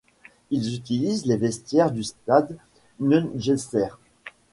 Ils utilisent les vestiaires du stade Nungesser.